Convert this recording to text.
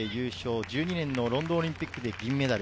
２０１２年のロンドンオリンピックで銀メダル。